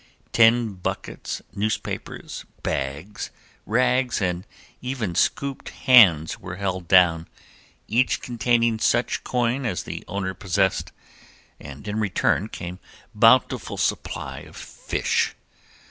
Tin buckets, newspapers, bags, rags and even scooped hands were held down, each containing such coin as the owner possessed, and in return came bountiful supply of fish.